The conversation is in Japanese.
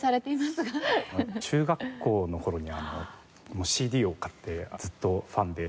中学校の頃にＣＤを買ってずっとファンで。